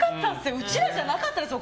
うちらじゃなかったでしょ